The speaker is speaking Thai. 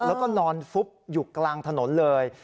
แล้วก็นอนฟุบอยู่กลางถนนเลย